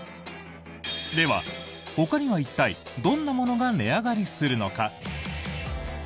では、ほかには一体どんなものが値上がりするのか。